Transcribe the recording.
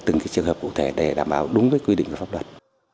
từng trường hợp cụ thể để đảm bảo đúng với quy định của pháp luật